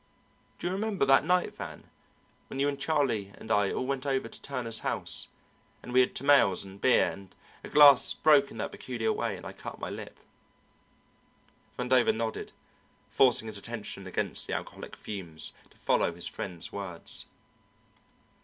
"Do you remember that night, Van, when you and Charlie and I all went out to Turner's house, and we had tamales and beer, and a glass broke in that peculiar way, and I cut my lip?" Vandover nodded, forcing his attention against the alcoholic fumes, to follow his friend's words.